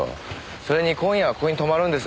それに今夜はここに泊まるんです。